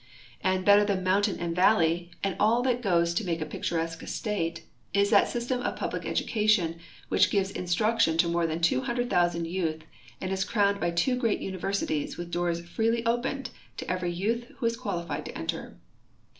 And better than mountain and valley, and all that goes to make a picturesque state, is that system of public education which is giving instruction to more than two hundred thousand }''outh, and is crowned by two great universities with doors freely opened to every youth who is qualified to enter.